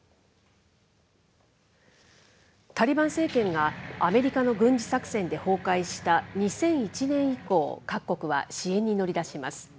タリバン政権がアメリカの軍事作戦で崩壊した２００１年以降、各国は支援に乗り出します。